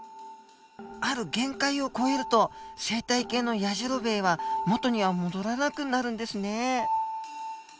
ある限界を超えると生態系のやじろべえは元には戻らなくなるんですね。